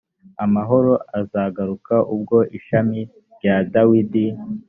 amahoro azagaruka ubwo ishami rya dawidi